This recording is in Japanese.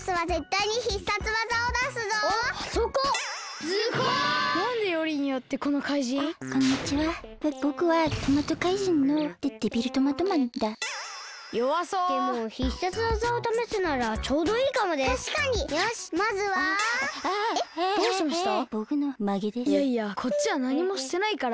いやいやこっちはなにもしてないから。